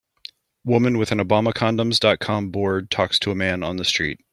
Woman with an Obamacondoms.com board talks to a man on the street.